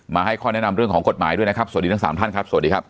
ให้ข้อแนะนำเรื่องของกฎหมายด้วยนะครับสวัสดีทั้งสามท่านครับสวัสดีครับ